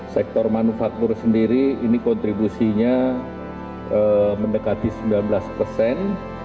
sektor manufaktur sendiri ini kontribusinya mendekati sembilan belas persen